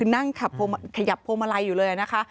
นั่งขยับพวงมาลัยอยู่เลยนะคะ